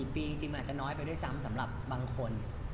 ปีจริงมันอาจจะน้อยไปด้วยซ้ำสำหรับบางคน